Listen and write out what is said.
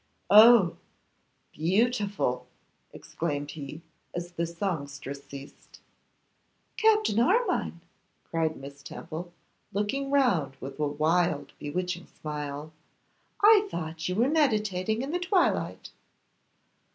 'Oh! beautiful!' exclaimed he, as the songstress ceased. 'Captain Armine!' cried Miss Temple, looking round with a wild, bewitching smile. 'I thought you were meditating in the twilight.